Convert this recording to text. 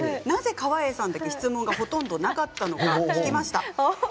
なぜ川栄さんだけ質問がほとんどなかったのか聞きました。